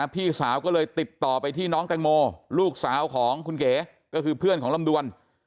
พี่สาวก็เลยติดต่อไปที่น้องแตงโมลูกสาวของคุณเก๋ก็คือเพื่อนของลำดวน